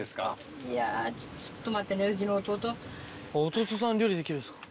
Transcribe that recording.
弟さん料理できるんですか。